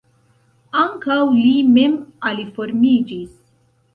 Ankaŭ li mem aliformiĝis.